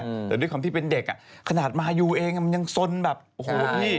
แต่ด้วยความที่เป็นเด็กอ่ะขนาดมายูเองอ่ะมันยังสนแบบโอ้โหพี่